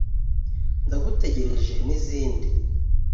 Ndagutegereje n’izindi